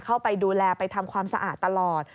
เข้าไปดูแลไปทำความสะอาดตลอด